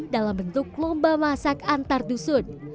dan bentuk lomba masak antar dusun